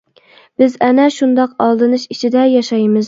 بىز ئەنە شۇنداق ئالدىنىش ئىچىدە ياشايمىز.